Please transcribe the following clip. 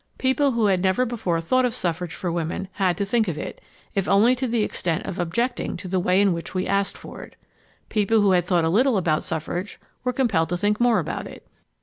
People who had never before thought of suffrage for women had to think of it, if only to the extent of objecting to the way in which we asked for it. People who had thought a little about suffrage were compelled to think more about it.